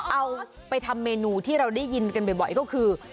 เอาไปทำเมนูที่เราได้ยินกันบ่อยก็คือ